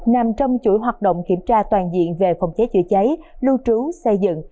nằm trong chuỗi hoạt động kiểm tra toàn diện về phòng cháy chữa cháy lưu trú xây dựng